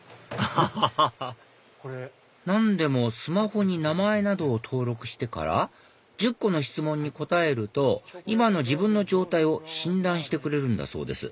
アハハハハ何でもスマホに名前などを登録してから１０個の質問に答えると今の自分の状態を診断してくれるんだそうです